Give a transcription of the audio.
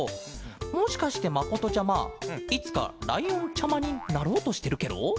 もしかしてまことちゃまいつかライオンちゃまになろうとしてるケロ？